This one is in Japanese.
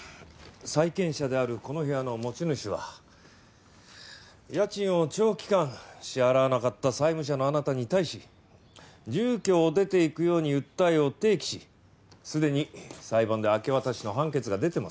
債権者であるこの部屋の持ち主は家賃を長期間支払わなかった債務者のあなたに対し住居を出ていくように訴えを提起しすでに裁判で明け渡しの判決が出てます。